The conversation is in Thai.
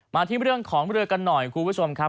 มาที่เรื่องของเรือกันหน่อยคุณผู้ชมครับ